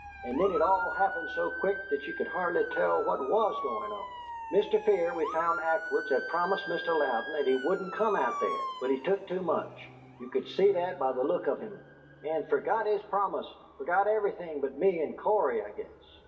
And then it all happened so quick that you could hardly tell what WAS goin' on. Mr. Fear, we found afterwards, had promised Mr. Louden that he wouldn't come out there, but he took too much you could see that by the look of him and fergot his promise; fergot everything but me and Cory, I guess.